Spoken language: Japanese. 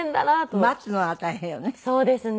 待つのが大変よね。